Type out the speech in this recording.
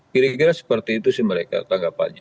kira kira seperti itu sih mereka tanggapannya